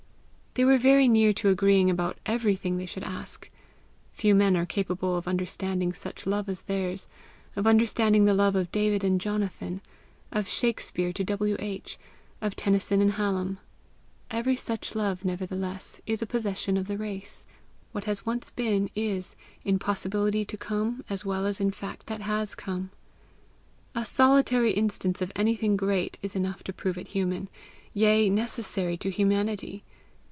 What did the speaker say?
They were very near to agreeing about EVERYthing they should ask. Few men are capable of understanding such love as theirs, of understanding the love of David and Jonathan, of Shakspere to W. H., of Tennyson and Hallam. Every such love, nevertheless, is a possession of the race; what has once been is, in possibility to come, as well as in fact that has come. A solitary instance of anything great is enough to prove it human, yea necessary to humanity.